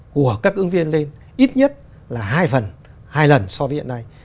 của các ứng viên lên ít nhất là hai phần hai lần so với hiện nay